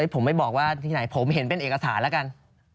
ผมไม่บอกว่าที่ไหนผมเห็นเป็นเอกสารแล้วกัน